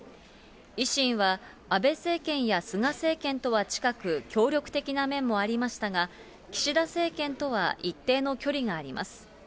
維新は、安倍政権や菅政権とは近く、協力的な面もありましたが、岸田政権とは一定の距離があります。